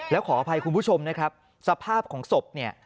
แล้วขออภัยคุณผู้ชมนะครับสภาพของศพเนี่ย